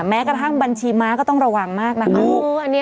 แม้กระทั่งบัญชีม้าก็ต้องระวังมากนะคะ